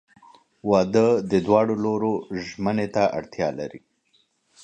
• واده د دواړو لورو ژمنې ته اړتیا لري.